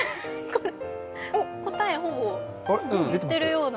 答え、もう言っているような。